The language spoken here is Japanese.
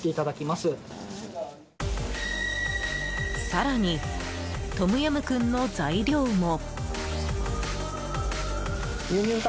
更に、トムヤムクンの材料も。